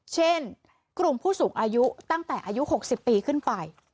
เช่นกลุ่มผู้สูงอายุตั้งแต่อายุ๖๐ปีขึ้นไป